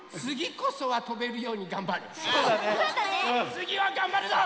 つぎはがんばるぞ！